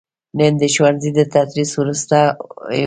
نن دښوونځي دتدریس وروستې ورځ وه